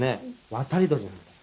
渡り鳥なんだよ」